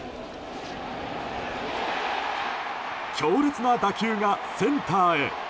強烈な打球がセンターへ。